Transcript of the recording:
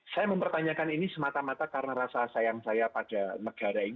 saya mempertanyakan ini semata mata karena rasa sayang saya pada negara ini